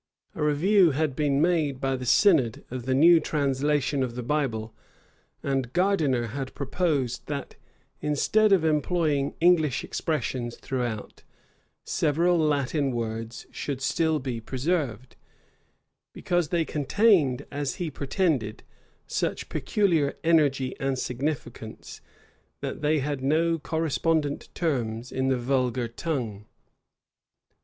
A review had been made by the synod of the new translation of the Bible; and Gardiner had proposed that, instead of employing English expressions throughout, several Latin words should still be preserved; because they contained, as he pretended, such peculiar energy and significance, that they had no correspondent terms in the vulgar tongue.